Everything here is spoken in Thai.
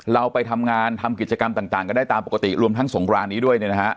เราไปทำงานทำกิจกรรมต่างกันได้ตามปกติรวมทั้งสงครานนี้ด้วยเนี่ยนะฮะ